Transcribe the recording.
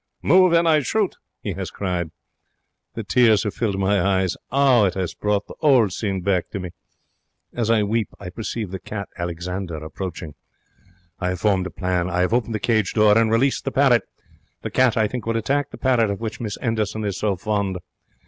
'Move and I shoot I' he has cried. The tears have filled my eyes. 'Ow it has brought the 'ole scene back to me! As I weep, I perceive the cat Alexander approaching. I have formed a plan. I have opened the cage door and released the parrot. The cat, I think, will attack the parrot of which Miss 'Enderson is so fond.